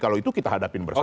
kalau itu kita hadapin bersama